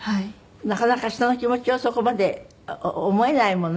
なかなか人の気持ちをそこまで思えないものね普通はね。